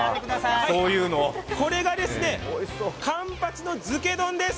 これが、かんぱちの漬け丼です。